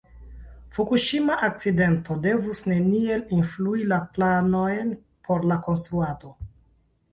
Fukuŝima akcidento devus neniel influi la planojn por la konstruado.